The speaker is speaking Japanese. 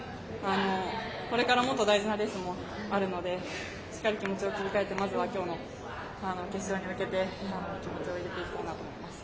これからもっと大事なレースもあるのでしっかり気持ちを切り替えてまずは今日の決勝に向けて気持ちを入れていきたいなと思います。